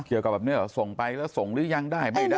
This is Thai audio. เกี่ยวกับแบบนี้เหรอส่งไปแล้วส่งหรือยังได้ไม่ได้